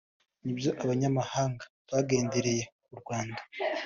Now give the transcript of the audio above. nibyo abanyamahanga bagendereye u Rwanda